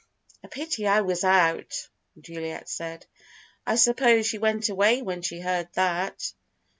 "A pity I was out," Juliet said. "I suppose she went away when she heard that?"